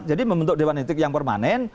jadi membentuk dewan etik yang permanen